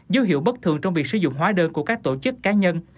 dấu hiệu bất thường trong việc sử dụng hóa đơn của các tổ chức cá nhân